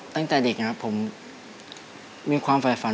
ตั้งแต่เด็กนะครับผมมีความฝ่ายฝัน